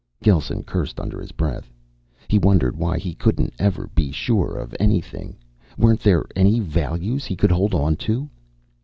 Gelsen cursed under his breath. He wondered why he couldn't ever be sure of anything. Weren't there any values he could hold on to?